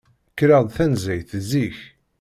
Kkreɣ-d tanzayt zik.